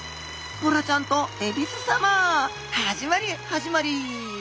「ボラちゃんとえびす様」始まり始まり